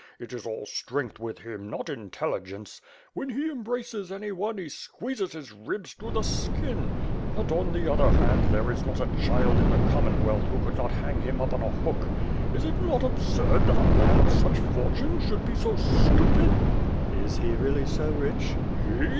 It is all strength with him, not intelligence. When he embraces anyone, he squeezes his ribs through the skin; but, on the other hand there is not a child in the Com monwealth who could not hang him up on a hook. Is it not absurd that a man of such fortune should be so stupid?" "Is he really so rich?" "He!